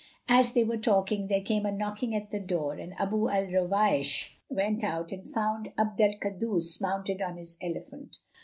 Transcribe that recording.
As they were talking, there came a knocking at the door and Abu al Ruwaysh went out and found Abd al Kaddus mounted on his elephant.